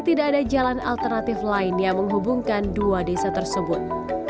tidak ada jalan alternatif lain yang menghubungkan dua desa tersebut